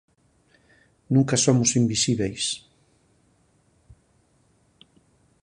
Nunca somos invisíbeis.